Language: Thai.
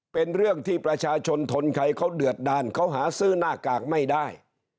เป็นเรื่องที่ประชาชนทนใครเขาเดือดดันเขาหาซื้อหน้ากากไม่ได้